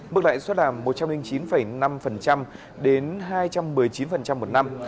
mức lãi suất là một trăm linh chín năm đến hai trăm một mươi chín một năm